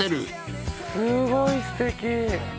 すごいすてき！